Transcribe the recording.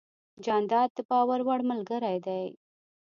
جانداد د باور وړ ملګری دی.